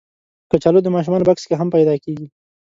کچالو د ماشومانو بکس کې هم پیدا کېږي